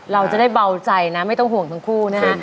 เราจะได้เบาใจนะไม่ต้องห่วงทั้งคู่นะฮะ